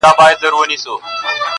غریزي ځانګړنه ده